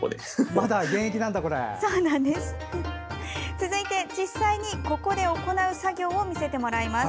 続いて実際に、ここで行う作業を見せてもらいます。